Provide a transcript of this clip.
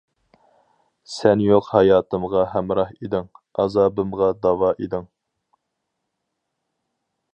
سەن يوق ھاياتىمغا ھەمراھ ئىدىڭ، ئازابىمغا داۋا ئىدىڭ.